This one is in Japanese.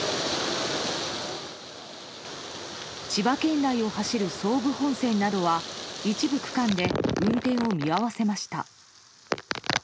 千葉県内を走る総武本線などは一部区間で運転を見合わせました。